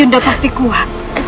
dia pasti kuat